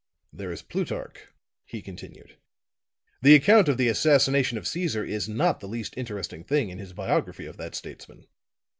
"There is Plutarch," he continued; "the account of the assassination of Caesar is not the least interesting thing in his biography of that statesman.